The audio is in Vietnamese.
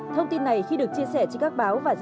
thông tin này khi được chia sẻ trên các báo và diễn đoán